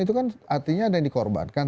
itu kan artinya ada yang dikorbankan